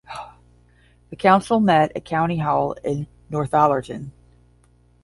The council met at County Hall in Northallerton.